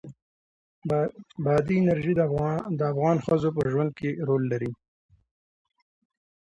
بادي انرژي د افغان ښځو په ژوند کې رول لري.